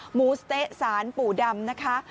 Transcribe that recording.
หมูสะเต๊ะสานปู่ดำ